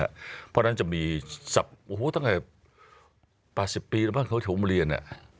เพราะฉะนั้นจะมีทั้งแต่ปลาสิบปีบ้านเขาจะถึงอุ้มเรียนนะ